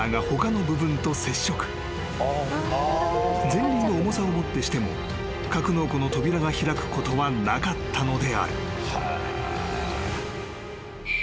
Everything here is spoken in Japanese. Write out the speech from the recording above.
［前輪の重さをもってしても格納庫の扉が開くことはなかったのである］